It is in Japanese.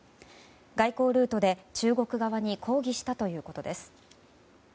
外交ルートで中国側に抗議したということです。